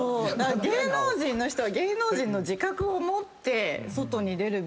芸能人の人は芸能人の自覚を持って外に出るべきで。